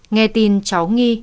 nghe tin cháu nghi